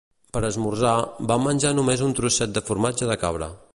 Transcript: Per esmorzar, vam menjar només un trosset de formatge de cabra